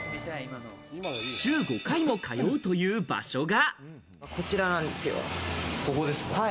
週５回も通うという場所が。